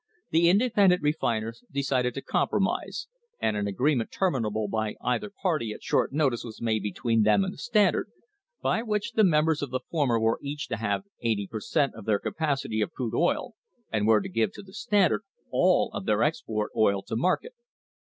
The independent refiners decided to compro mise, and an agreement terminable by either party at short notice was made between them and the Standard, by which the members of the former were each to have eighty per cent, of their capacity of crude oil, and were to give to the Standard all of their export oil to market.